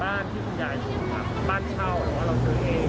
บ้านเช่าหรือว่าเราซื้อเอง